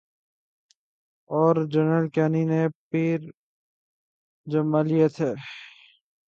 اورجنرل کیانی نے پیر جمالیے تھے۔